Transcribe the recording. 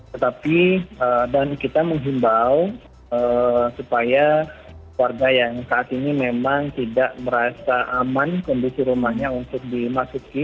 tetapi dan kita menghimbau supaya warga yang saat ini memang tidak merasa aman kondisi rumahnya untuk dimasuki